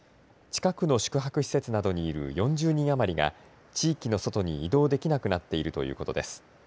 近くの宿泊施設などにいる４０人余りが地域の外に移動できなくなっているということです。